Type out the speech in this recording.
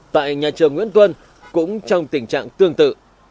tại nhà trường nguyễn tuân cũng trong tình trạng tương tự